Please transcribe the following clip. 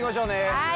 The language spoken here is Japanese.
はい。